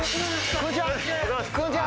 こんにちは。